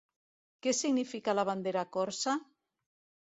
Què significa la bandera corsa?